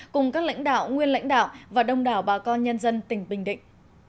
cùng các lãnh đạo nguyên lãnh đạo và đông đảo bà con nhân dân tỉnh bình định